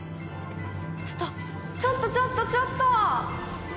ちょっと、ちょっとちょっとちょっと。